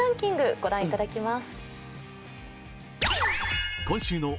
御覧いただきます。